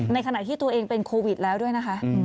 ในขณะที่ตัวเองเป็นโควิดแล้วด้วยนะคะ